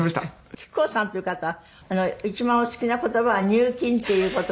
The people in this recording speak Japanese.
木久扇さんっていう方は一番お好きな言葉は入金っていう言葉で。